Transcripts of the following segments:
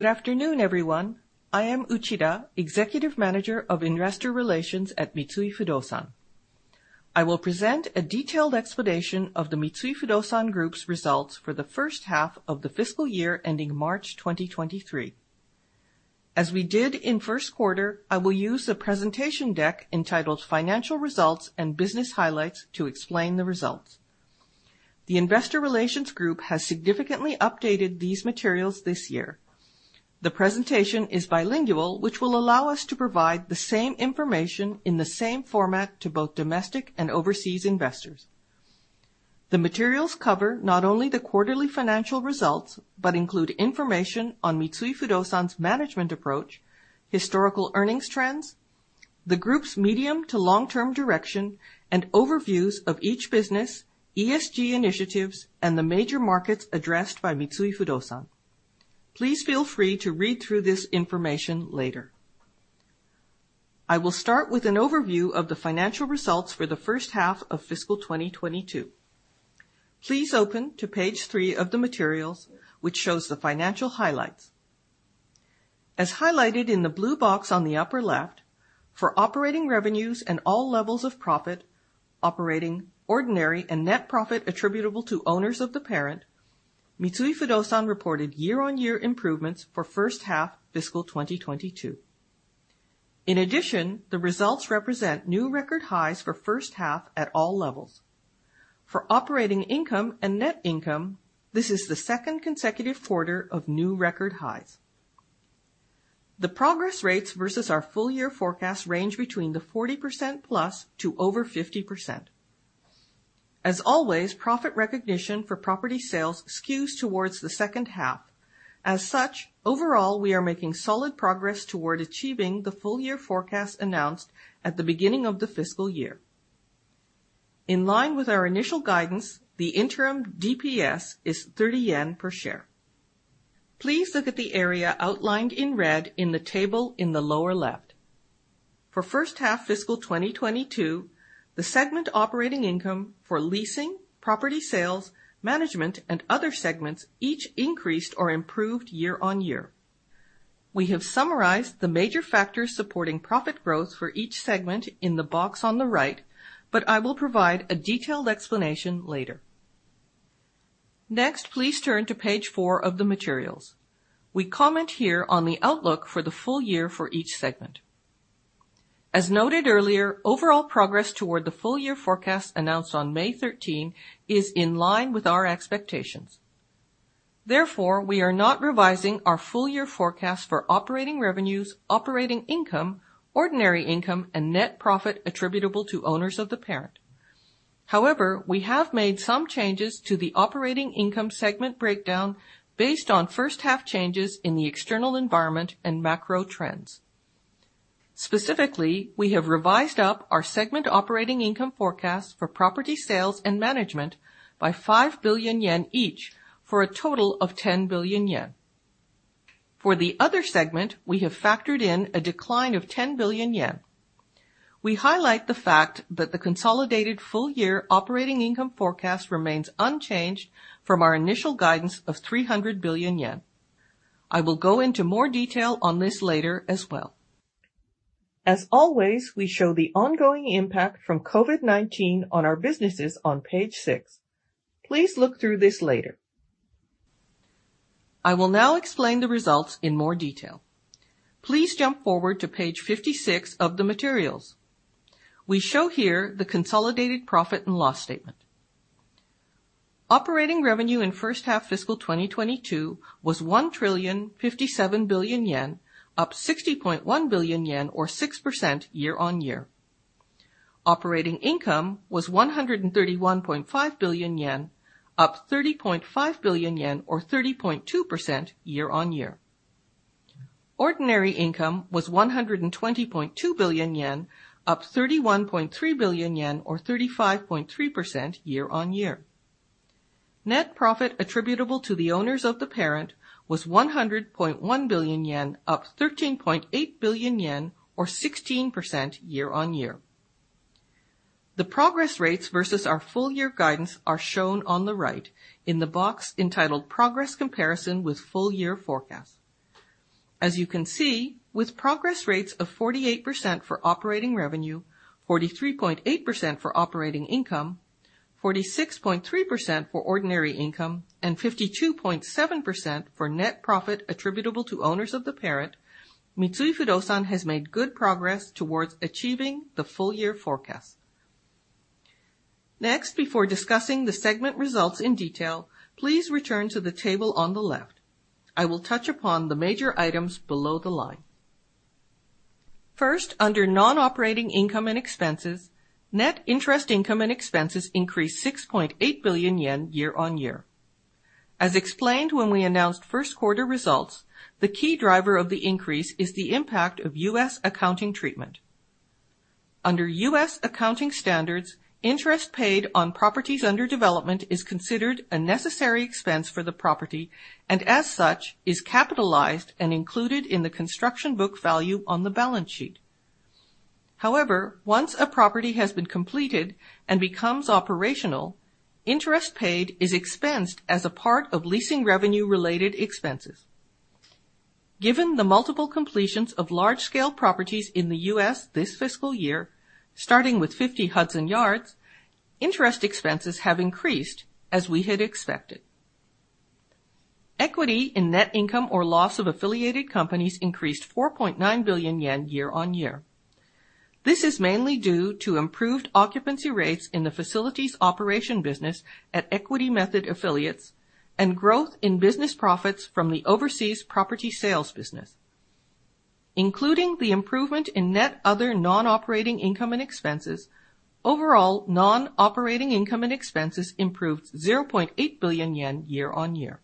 Good afternoon, everyone. I am Uchida, Executive Manager of Investor Relations at Mitsui Fudosan. I will present a detailed explanation of the Mitsui Fudosan Group's results for the first half of the fiscal year ending March 2023. As we did in first quarter, I will use a presentation deck entitled Financial Results and Business Highlights to explain the results. The investor relations group has significantly updated these materials this year. The presentation is bilingual, which will allow us to provide the same information in the same format to both domestic and overseas investors. The materials cover not only the quarterly financial results, but include information on Mitsui Fudosan's management approach, historical earnings trends, the group's medium to long-term direction, and overviews of each business, ESG initiatives, and the major markets addressed by Mitsui Fudosan. Please feel free to read through this information later. I will start with an overview of the financial results for the first half of fiscal 2022. Please open to page three of the materials which shows the financial highlights. As highlighted in the blue box on the upper left, for operating revenues and all levels of profit, operating ordinary and net profit attributable to owners of the parent, Mitsui Fudosan reported year-on-year improvements for first half fiscal 2022. In addition, the results represent new record highs for first half at all levels. For operating income and net income, this is the second consecutive quarter of new record highs. The progress rates versus our full year forecast range between 40%+ to over 50%. As always, profit recognition for property sales skews towards the second half. As such, overall, we are making solid progress toward achieving the full year forecast announced at the beginning of the fiscal year. In line with our initial guidance, the interim DPS is 30 yen per share. Please look at the area outlined in red in the table in the lower left. For first half fiscal 2022, the segment operating income for leasing, property sales, management, and other segments each increased or improved year-on-year. We have summarized the major factors supporting profit growth for each segment in the box on the right, but I will provide a detailed explanation later. Next, please turn to page four of the materials. We comment here on the outlook for the full year for each segment. As noted earlier, overall progress toward the full year forecast announced on May 13 is in line with our expectations. Therefore, we are not revising our full year forecast for operating revenues, operating income, ordinary income, and net profit attributable to owners of the parent. However, we have made some changes to the operating income segment breakdown based on first half changes in the external environment and macro trends. Specifically, we have revised up our segment operating income forecast for Property Sales and Management by 5 billion yen each for a total of 10 billion yen. For the other segment, we have factored in a decline of 10 billion yen. We highlight the fact that the consolidated full year operating income forecast remains unchanged from our initial guidance of 300 billion yen. I will go into more detail on this later as well. As always, we show the ongoing impact from COVID-19 on our businesses on page six. Please look through this later. I will now explain the results in more detail. Please jump forward to page 56 of the materials. We show here the consolidated profit and loss statement. Operating revenue in first half fiscal 2022 was 1,057 billion yen, up 60.1 billion yen or 6% year-on-year. Operating income was 131.5 billion yen, up 30.5 billion yen or 30.2% year-on-year. Ordinary income was 120.2 billion yen, up 31.3 billion yen or 35.3% year-on-year. Net profit attributable to the owners of the parent was 100.1 billion yen, up 13.8 billion yen or 16% year-on-year. The progress rates versus our full year guidance are shown on the right in the box entitled Progress Comparison with Full Year Forecast. As you can see, with progress rates of 48% for operating revenue, 43.8% for operating income, 46.3% for ordinary income, and 52.7% for net profit attributable to owners of the parent, Mitsui Fudosan has made good progress towards achieving the full year forecast. Next, before discussing the segment results in detail, please return to the table on the left. I will touch upon the major items below the line. First, under non-operating income and expenses, net interest income and expenses increased 6.8 billion yen year-on-year. As explained when we announced first quarter results, the key driver of the increase is the impact of U.S. accounting treatment. Under U.S. accounting standards, interest paid on properties under development is considered a necessary expense for the property, and as such, is capitalized and included in the construction book value on the balance sheet. However, once a property has been completed and becomes operational, interest paid is expensed as a part of leasing revenue related expenses. Given the multiple completions of large-scale properties in the U.S. this fiscal year, starting with 50 Hudson Yards, interest expenses have increased as we had expected. Equity and net income or loss of affiliated companies increased 4.9 billion yen year-on-year. This is mainly due to improved occupancy rates in the facilities operation business at equity method affiliates and growth in business profits from the overseas Property Sales business, including the improvement in net other non-operating income and expenses. Overall, non-operating income and expenses improved 0.8 billion yen year-on-year.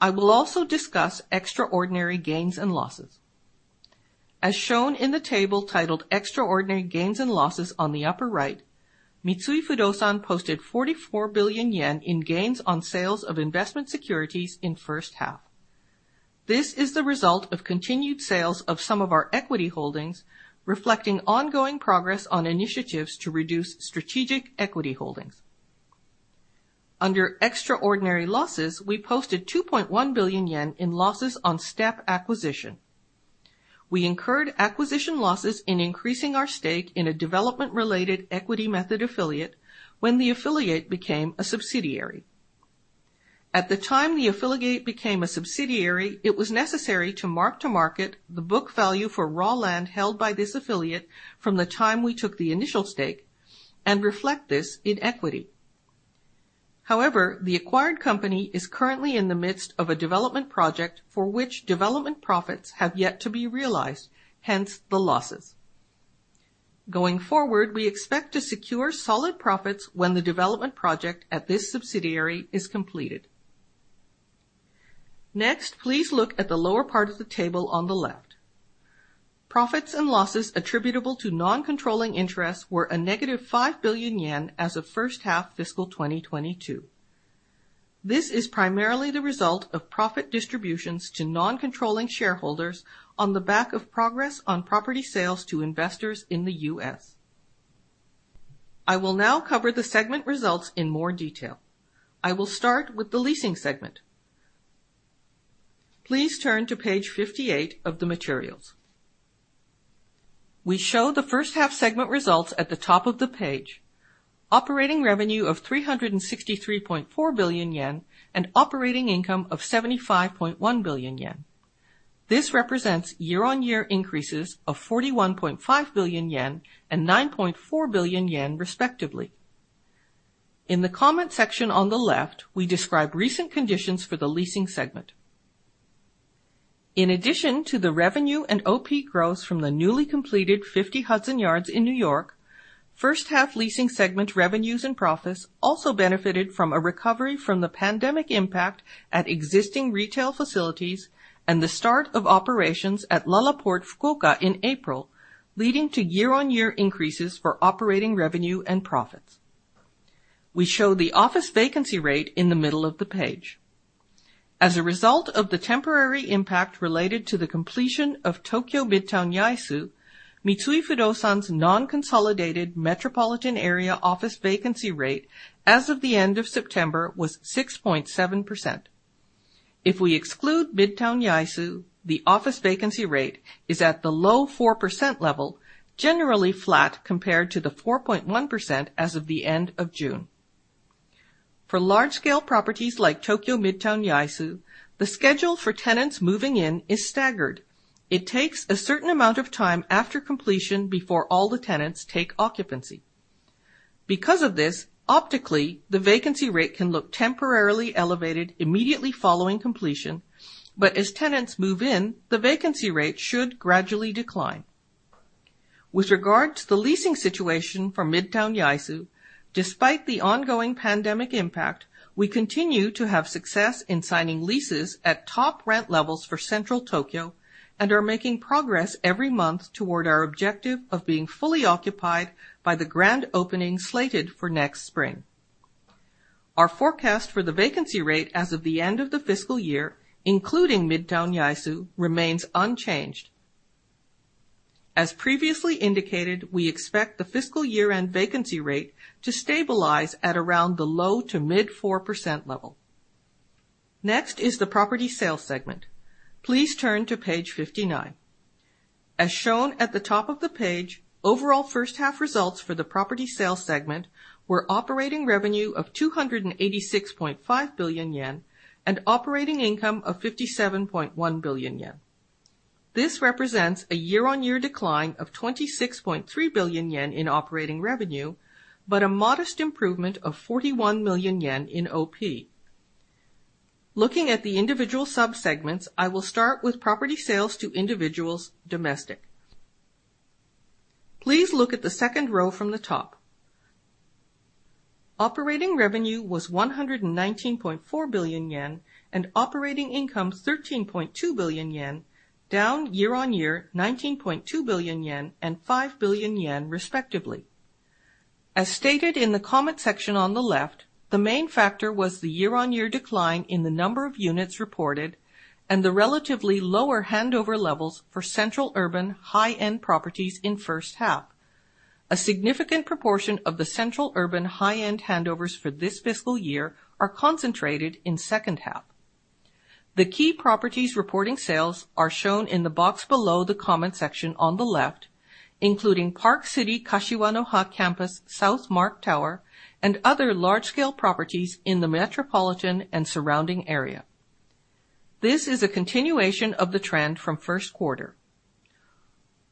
I will also discuss extraordinary gains and losses. As shown in the table titled Extraordinary Gains and Losses on the upper right, Mitsui Fudosan posted 44 billion yen in gains on sales of investment securities in first half. This is the result of continued sales of some of our equity holdings, reflecting ongoing progress on initiatives to reduce strategic equity holdings. Under extraordinary losses, we posted 2.1 billion yen in losses on step acquisition. We incurred acquisition losses in increasing our stake in a development related equity method affiliate when the affiliate became a subsidiary. At the time the affiliate became a subsidiary, it was necessary to mark-to-market the book value for raw land held by this affiliate from the time we took the initial stake and reflect this in equity. However, the acquired company is currently in the midst of a development project for which development profits have yet to be realized, hence the losses. Going forward, we expect to secure solid profits when the development project at this subsidiary is completed. Next, please look at the lower part of the table on the left. Profits and losses attributable to non-controlling interests were a -5 billion yen as of first half fiscal 2022. This is primarily the result of profit distributions to non-controlling shareholders on the back of progress on property sales to investors in the U.S. I will now cover the segment results in more detail. I will start with the Leasing segment. Please turn to page 58 of the materials. We show the first half segment results at the top of the page. Operating revenue of 363.4 billion yen and operating income of 75.1 billion yen. This represents year-on-year increases of 41.5 billion yen and 9.4 billion yen, respectively. In the comment section on the left, we describe recent conditions for the Leasing segment. In addition to the revenue and OP growth from the newly completed 50 Hudson Yards in New York, first half Leasing segment revenues and profits also benefited from a recovery from the pandemic impact at existing retail facilities and the start of operations at LaLaport FUKUOKA in April, leading to year-on-year increases for operating revenue and profits. We show the office vacancy rate in the middle of the page. As a result of the temporary impact related to the completion of Tokyo Midtown Yaesu, Mitsui Fudosan's non-consolidated metropolitan area office vacancy rate as of the end of September was 6.7%. If we exclude Midtown Yaesu, the office vacancy rate is at the low 4% level, generally flat compared to the 4.1% as of the end of June. For large scale properties like Tokyo Midtown Yaesu, the schedule for tenants moving in is staggered. It takes a certain amount of time after completion before all the tenants take occupancy. Because of this, optically, the vacancy rate can look temporarily elevated immediately following completion, but as tenants move in, the vacancy rate should gradually decline. With regard to the leasing situation for Midtown Yaesu, despite the ongoing pandemic impact, we continue to have success in signing leases at top rent levels for central Tokyo and are making progress every month toward our objective of being fully occupied by the grand opening slated for next spring. Our forecast for the vacancy rate as of the end of the fiscal year, including Midtown Yaesu, remains unchanged. As previously indicated, we expect the fiscal year-end vacancy rate to stabilize at around the low to mid 4% level. Next is the Property Sales segment. Please turn to page 59. As shown at the top of the page, overall first half results for the Property Sales segment were operating revenue of 286.5 billion yen and operating income of 57.1 billion yen. This represents a year-on-year decline of 26.3 billion yen in operating revenue, but a modest improvement of 41 million yen in OP. Looking at the individual subsegments, I will start with Property Sales to individuals domestic. Please look at the second row from the top. Operating revenue was 119.4 billion yen and operating income 13.2 billion yen, down year-on-year 19.2 billion yen and 5 billion yen, respectively. As stated in the comment section on the left, the main factor was the year-on-year decline in the number of units reported and the relatively lower handover levels for central urban high-end properties in first half. A significant proportion of the central urban high-end handovers for this fiscal year are concentrated in second half. The key properties reporting sales are shown in the box below the comment section on the left, including Park City Kashiwanoha Campus South Mark Tower and other large scale properties in the metropolitan and surrounding area. This is a continuation of the trend from first quarter.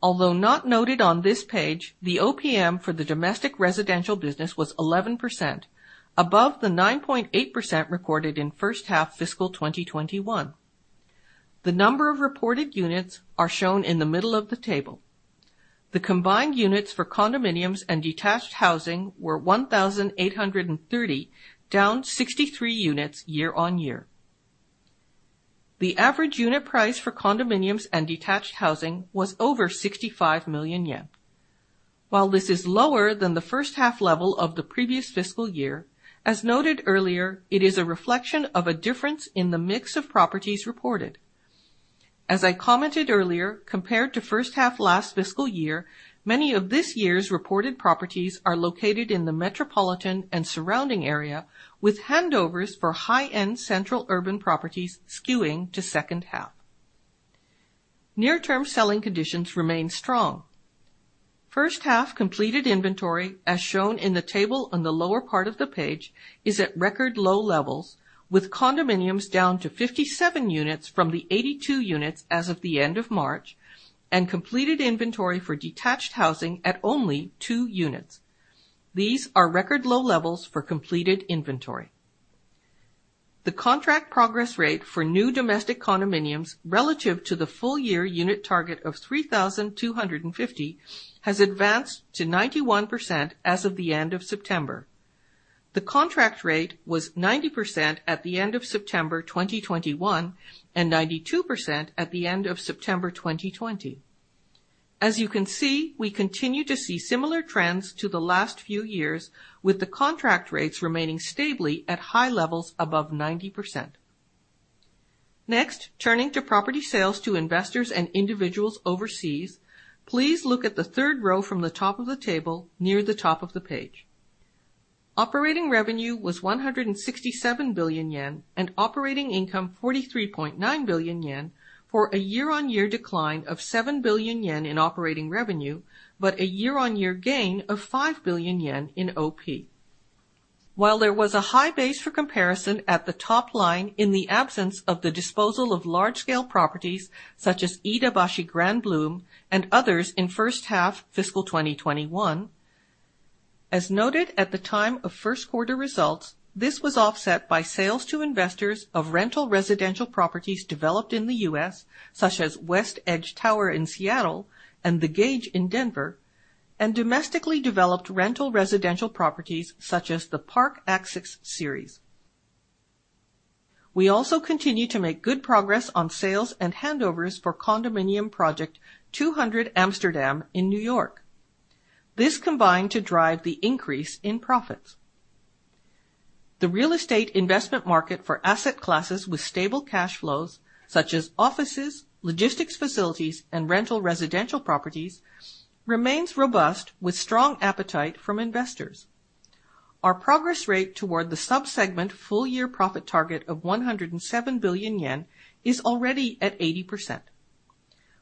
Although not noted on this page, the OPM for the domestic residential business was 11%, above the 9.8% recorded in first half fiscal 2021. The number of reported units are shown in the middle of the table. The combined units for condominiums and detached housing were 1,830, down 63 units year-on-year. The average unit price for condominiums and detached housing was over 65 million yen. While this is lower than the first half level of the previous fiscal year, as noted earlier, it is a reflection of a difference in the mix of properties reported. As I commented earlier, compared to first half last fiscal year, many of this year's reported properties are located in the metropolitan and surrounding area, with handovers for high-end central urban properties skewing to second half. Near term selling conditions remain strong. First half completed inventory, as shown in the table on the lower part of the page, is at record low levels, with condominiums down to 57 units from the 82 units as of the end of March, and completed inventory for detached housing at only two units. These are record low levels for completed inventory. The contract progress rate for new domestic condominiums relative to the full year unit target of 3,250 has advanced to 91% as of the end of September. The contract rate was 90% at the end of September 2021, and 92% at the end of September 2020. As you can see, we continue to see similar trends to the last few years, with the contract rates remaining stably at high levels above 90%. Next, turning to property sales to investors and individuals overseas. Please look at the third row from the top of the table near the top of the page. Operating revenue was 167 billion yen and operating income 43.9 billion yen for a year-on-year decline of 7 billion yen in operating revenue, but a year-on-year gain of 5 billion yen in OP. While there was a high base for comparison at the top line in the absence of the disposal of large scale properties such as Iidabashi Grand Bloom and others in first half fiscal 2021. As noted at the time of first quarter results, this was offset by sales to investors of rental residential properties developed in the U.S., such as West Edge Tower in Seattle and The Gage in Denver, and domestically developed rental residential properties such as the Park Axis series. We also continue to make good progress on sales and handovers for condominium project 200 Amsterdam in New York. This combined to drive the increase in profits. The real estate investment market for asset classes with stable cash flows such as offices, logistics facilities, and rental residential properties remains robust with strong appetite from investors. Our progress rate toward the sub-segment full year profit target of 107 billion yen is already at 80%.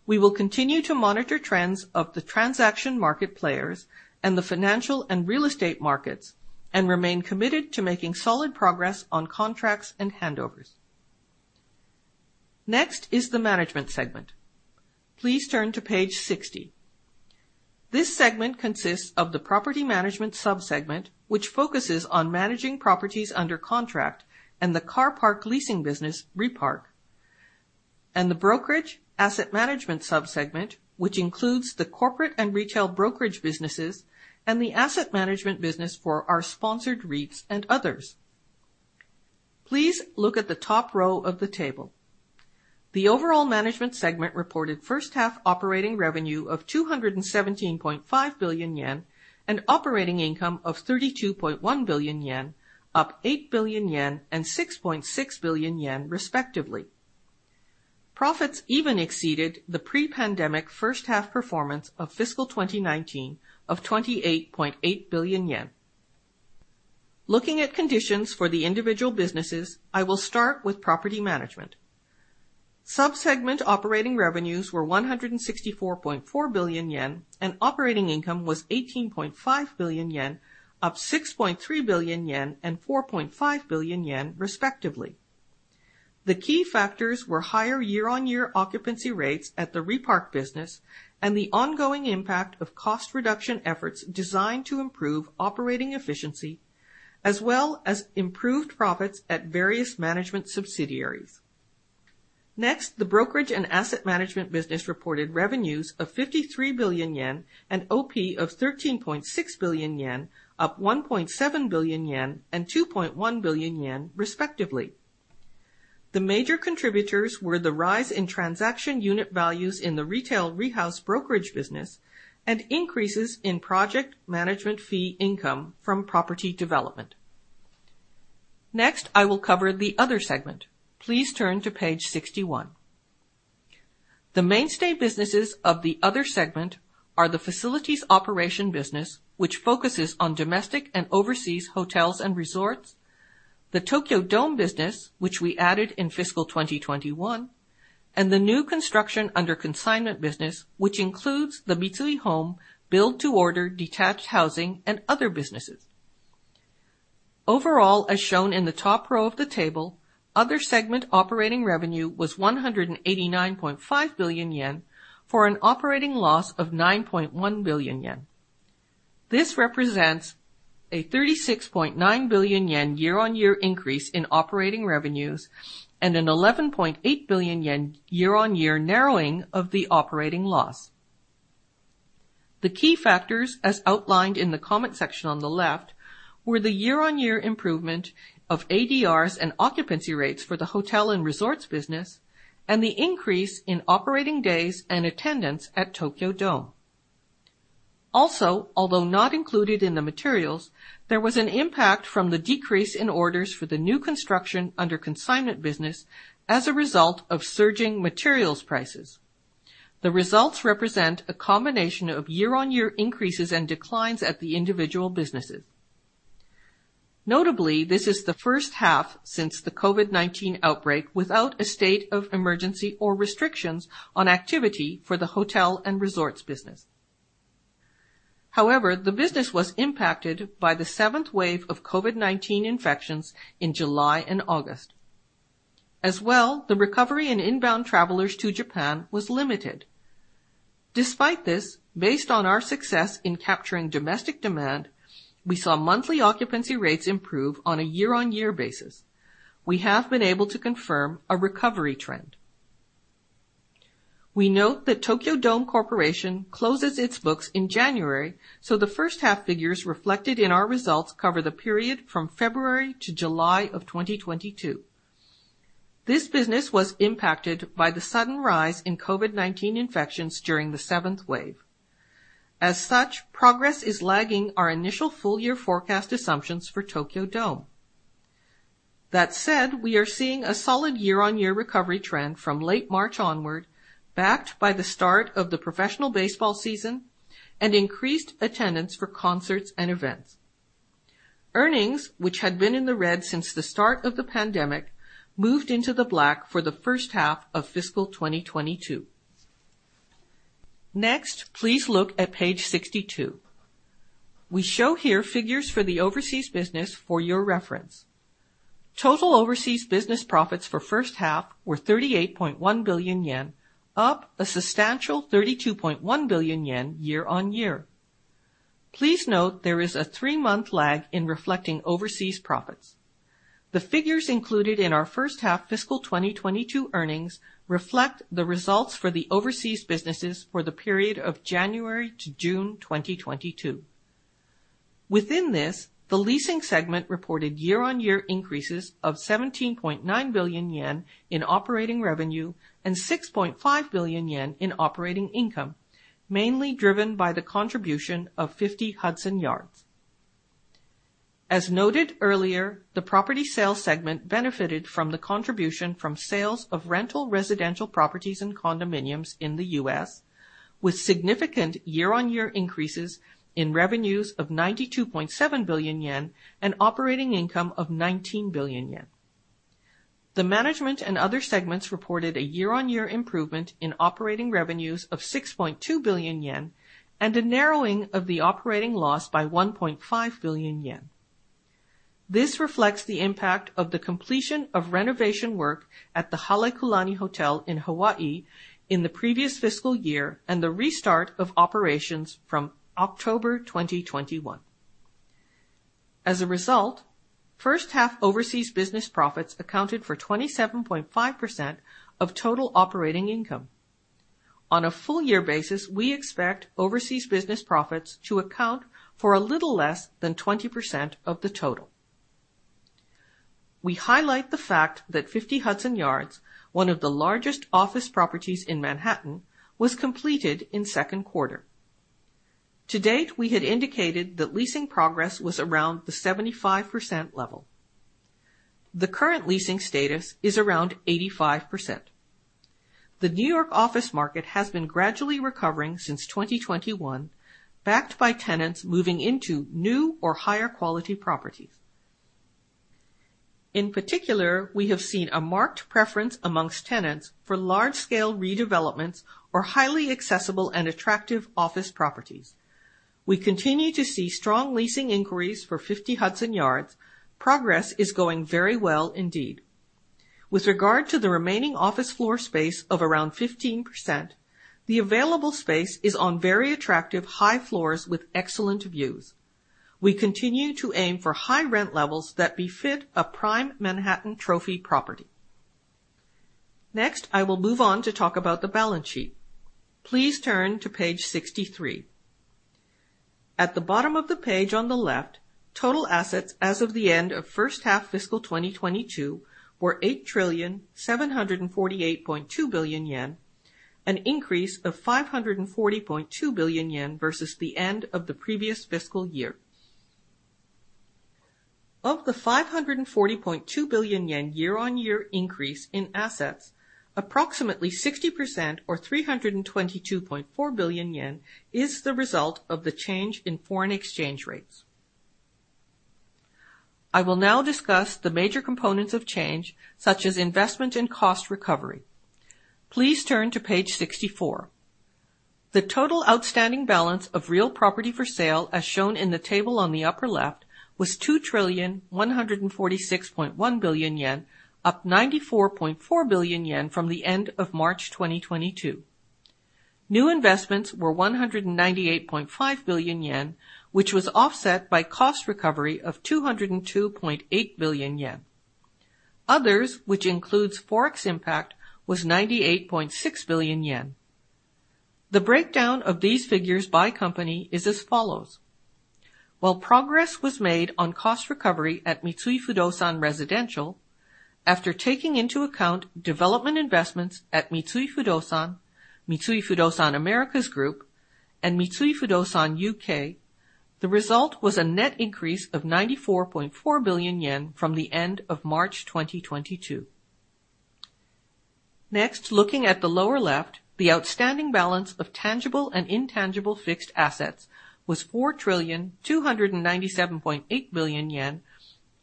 We will continue to monitor trends of the transaction market players and the financial and real estate markets, and remain committed to making solid progress on contracts and handovers. Next is the Management segment. Please turn to page 60. This segment consists of the property management sub-segment, which focuses on managing properties under contract, and the car park Leasing business, Repark, and the brokerage asset management sub-segment, which includes the corporate and retail brokerage businesses and the asset management business for our sponsored REITs and others. Please look at the top row of the table. The overall Management segment reported first half operating revenue of 217.5 billion yen and operating income of 32.1 billion yen, up 8 billion yen and 6.6 billion yen, respectively. Profits even exceeded the pre-pandemic first half performance of fiscal 2019 of 28.8 billion yen. Looking at conditions for the individual businesses, I will start with property management. Sub-segment operating revenues were 164.4 billion yen, and operating income was 18.5 billion yen, up 6.3 billion yen and 4.5 billion yen, respectively. The key factors were higher year-on-year occupancy rates at the Repark business and the ongoing impact of cost reduction efforts designed to improve operating efficiency, as well as improved profits at various management subsidiaries. Next, the brokerage and asset management business reported revenues of 53 billion yen and OP of 13.6 billion yen, up 1.7 billion yen and 2.1 billion yen, respectively. The major contributors were the rise in transaction unit values in the retail Rehouse brokerage business and increases in project management fee income from property development. Next, I will cover the other segment. Please turn to page 61. The mainstay businesses of the other segment are the facilities operation business, which focuses on domestic and overseas hotels and resorts, the Tokyo Dome business, which we added in fiscal 2021, and the new construction under consignment business, which includes the Mitsui Home build to order detached housing and other businesses. Overall, as shown in the top row of the table, other segment operating revenue was 189.5 billion yen for an operating loss of 9.1 billion yen. This represents a 36.9 billion yen year-on-year increase in operating revenues and a 11.8 billion yen year-on-year narrowing of the operating loss. The key factors, as outlined in the comment section on the left, were the year-on-year improvement of ADRs and occupancy rates for the hotel and resorts business and the increase in operating days and attendance at Tokyo Dome. Also, although not included in the materials, there was an impact from the decrease in orders for the new construction under consignment business as a result of surging materials prices. The results represent a combination of year-on-year increases and declines at the individual businesses. Notably, this is the first half since the COVID-19 outbreak without a state of emergency or restrictions on activity for the hotel and resorts business. However, the business was impacted by the seventh wave of COVID-19 infections in July and August. As well, the recovery in inbound travelers to Japan was limited. Despite this, based on our success in capturing domestic demand, we saw monthly occupancy rates improve on a year-on-year basis. We have been able to confirm a recovery trend. We note that Tokyo Dome Corporation closes its books in January, so the first half figures reflected in our results cover the period from February to July of 2022. This business was impacted by the sudden rise in COVID-19 infections during the seventh wave. As such, progress is lagging our initial full year forecast assumptions for Tokyo Dome. That said, we are seeing a solid year-on-year recovery trend from late March onward, backed by the start of the professional baseball season and increased attendance for concerts and events. Earnings, which had been in the red since the start of the pandemic, moved into the black for the first half of fiscal 2022. Next, please look at page 62. We show here figures for the overseas business for your reference. Total overseas business profits for first half were 38.1 billion yen, up a substantial 32.1 billion yen year-on-year. Please note there is a three-month lag in reflecting overseas profits. The figures included in our first half fiscal 2022 earnings reflect the results for the overseas businesses for the period of January to June 2022. Within this, the Leasing segment reported year-on-year increases of 17.9 billion yen in operating revenue and 6.5 billion yen in operating income, mainly driven by the contribution of 50 Hudson Yards. As noted earlier, the Property Sales segment benefited from the contribution from sales of rental residential properties and condominiums in the U.S., with significant year-on-year increases in revenues of 92.7 billion yen and operating income of 19 billion yen. The Management and other segments reported a year-on-year improvement in operating revenues of 6.2 billion yen and a narrowing of the operating loss by 1.5 billion yen. This reflects the impact of the completion of renovation work at the Halekulani Hotel in Hawaii in the previous fiscal year and the restart of operations from October 2021. As a result, first half overseas business profits accounted for 27.5% of total operating income. On a full year basis, we expect overseas business profits to account for a little less than 20% of the total. We highlight the fact that 50 Hudson Yards, one of the largest office properties in Manhattan, was completed in second quarter. To date, we had indicated that leasing progress was around the 75% level. The current leasing status is around 85%. The New York office market has been gradually recovering since 2021, backed by tenants moving into new or higher quality properties. In particular, we have seen a marked preference amongst tenants for large scale redevelopments or highly accessible and attractive office properties. We continue to see strong leasing inquiries for 50 Hudson Yards. Progress is going very well indeed. With regard to the remaining office floor space of around 15%, the available space is on very attractive high floors with excellent views. We continue to aim for high rent levels that befit a prime Manhattan trophy property. Next, I will move on to talk about the balance sheet. Please turn to page 63. At the bottom of the page on the left, total assets as of the end of first half fiscal 2022 were 8,748.2 billion yen, an increase of 540.2 billion yen versus the end of the previous fiscal year. Of the 540.2 billion yen year-on-year increase in assets, approximately 60% or 322.4 billion yen is the result of the change in foreign exchange rates. I will now discuss the major components of change such as investment and cost recovery. Please turn to page 64. The total outstanding balance of real property for sale, as shown in the table on the upper left, was 2,146.1 billion yen, up 94.4 billion yen from the end of March 2022. New investments were 198.5 billion yen, which was offset by cost recovery of 202.8 billion yen. Others, which includes Forex impact, was 98.6 billion yen. The breakdown of these figures by company is as follows. While progress was made on cost recovery at Mitsui Fudosan Residential, after taking into account development investments at Mitsui Fudosan, Mitsui Fudosan America, and Mitsui Fudosan U.K., the result was a net increase of 94.4 billion yen from the end of March 2022. Next, looking at the lower left, the outstanding balance of tangible and intangible fixed assets was 4,297.8 billion yen,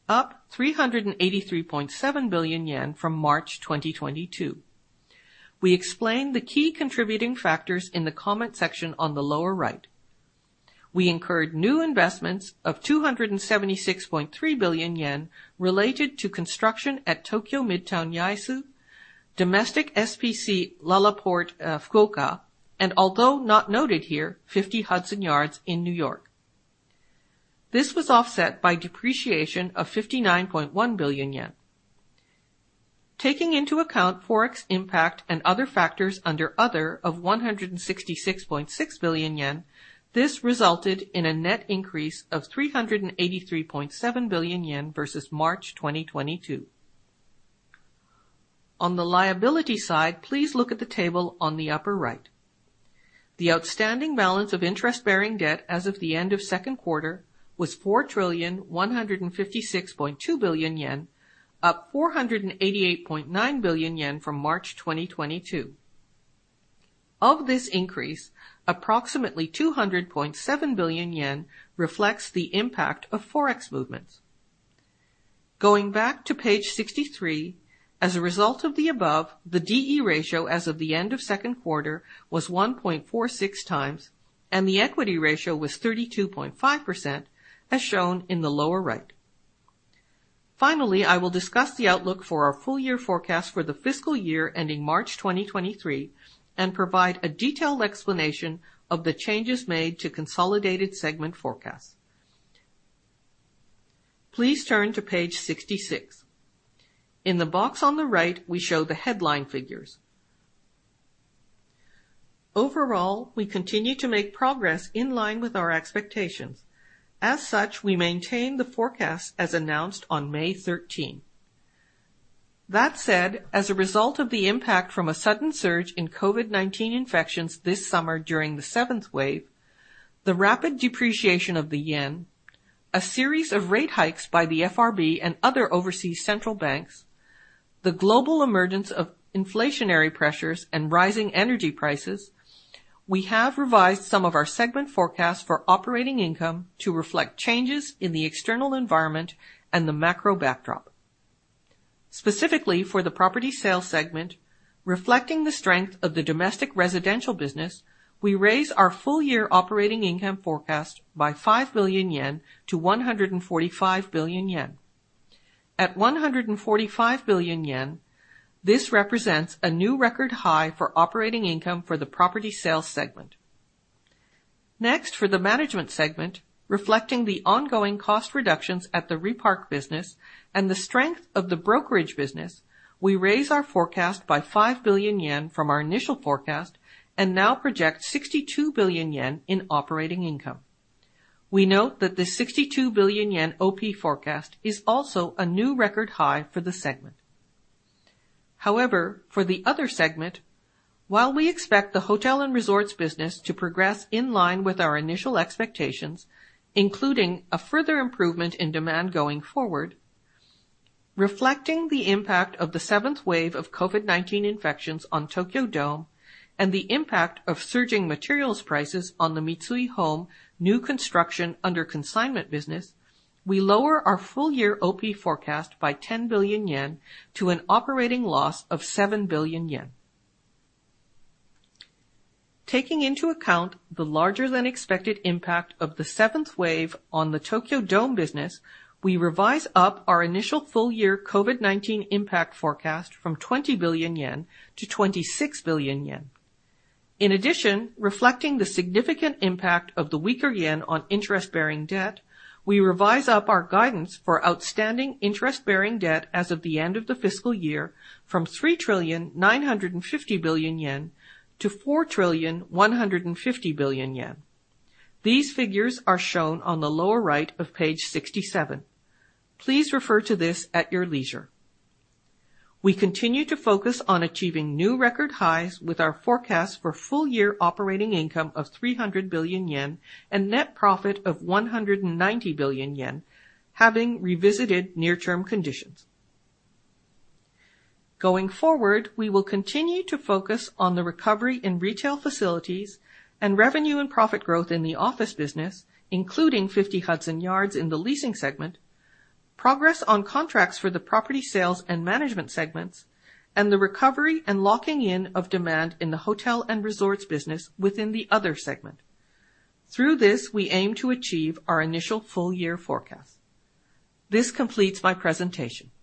up 383.7 billion yen from March 2022. We explained the key contributing factors in the comment section on the lower right. We incurred new investments of 276.3 billion yen related to construction at Tokyo Midtown Yaesu, domestic SPC LaLaport FUKUOKA, and although not noted here, 50 Hudson Yards in New York. This was offset by depreciation of 59.1 billion yen. Taking into account Forex impact and other factors under other of 166.6 billion yen, this resulted in a net increase of 383.7 billion yen versus March 2022. On the liability side, please look at the table on the upper right. The outstanding balance of interest-bearing debt as of the end of second quarter was 4,156.2 billion yen, up 488.9 billion yen from March 2022. Of this increase, approximately 200.7 billion yen reflects the impact of Forex movements. Going back to page 63, as a result of the above, the D/E ratio as of the end of second quarter was 1.46x, and the equity ratio was 32.5% as shown in the lower right. Finally, I will discuss the outlook for our full year forecast for the fiscal year ending March 2023 and provide a detailed explanation of the changes made to consolidated segment forecasts. Please turn to page 66. In the box on the right, we show the headline figures. Overall, we continue to make progress in line with our expectations. As such, we maintain the forecast as announced on May 13. That said, as a result of the impact from a sudden surge in COVID-19 infections this summer during the seventh wave, the rapid depreciation of the yen, a series of rate hikes by the FRB and other overseas central banks, the global emergence of inflationary pressures and rising energy prices, we have revised some of our segment forecasts for operating income to reflect changes in the external environment and the macro backdrop. Specifically, for the Property Sales segment, reflecting the strength of the domestic residential business, we raise our full year operating income forecast by 5 billion yen to 145 billion yen. At 145 billion yen, this represents a new record high for operating income for the Property Sales segment. Next, for the Management segment, reflecting the ongoing cost reductions at the Repark business and the strength of the brokerage business, we raise our forecast by 5 billion yen from our initial forecast and now project 62 billion yen in operating income. We note that the 62 billion yen OP forecast is also a new record high for the segment. However, for the other segment, while we expect the hotel and resorts business to progress in line with our initial expectations, including a further improvement in demand going forward, reflecting the impact of the seventh wave of COVID-19 infections on Tokyo Dome and the impact of surging materials prices on the Mitsui Home new construction under consignment business, we lower our full year OP forecast by 10 billion yen to an operating loss of 7 billion yen. Taking into account the larger than expected impact of the seventh wave on the Tokyo Dome business, we revise up our initial full year COVID-19 impact forecast from 20 billion yen to 26 billion yen. In addition, reflecting the significant impact of the weaker yen on interest-bearing debt, we revise up our guidance for outstanding interest-bearing debt as of the end of the fiscal year from 3.95 trillion to 4.15 trillion. These figures are shown on the lower right of page 67. Please refer to this at your leisure. We continue to focus on achieving new record highs with our forecast for full year operating income of 300 billion yen and net profit of 190 billion yen having revisited near term conditions. Going forward, we will continue to focus on the recovery in retail facilities and revenue and profit growth in the office business, including 50 Hudson Yards in the Leasing segment, progress on contracts for the Property Sales and Management segments, and the recovery and locking in of demand in the hotel and resorts business within the other segment. Through this, we aim to achieve our initial full year forecast. This completes my presentation.